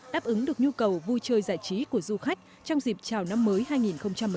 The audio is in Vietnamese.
đáp ứng được nhu cầu vui chơi giải trí của du khách trong dịp chào năm mới hai nghìn một mươi chín